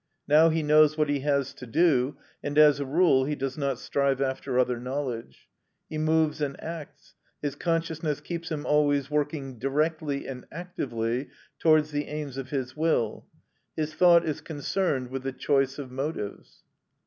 Now he knows what he has to do, and, as a rule, he does not strive after other knowledge. He moves and acts; his consciousness keeps him always working directly and actively towards the aims of his will; his thought is concerned with the choice of motives.